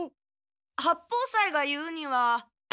八方斎が言うには。